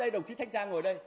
đây đồng chí thanh tra ngồi đây